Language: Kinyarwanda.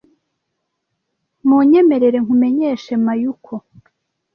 Munyemerere nkumenyeshe Mayuko .